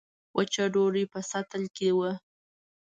وچه ډوډۍ په سطل کې وه.